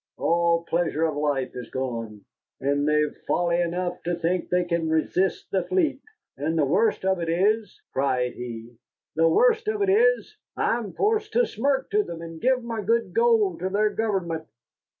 All pleasure of life is gone, and they've folly enough to think they can resist the fleet. And the worst of it is," cried he, "the worst of it is, I'm forced to smirk to them, and give good gold to their government."